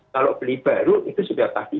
kalau beli baru itu sudah tadi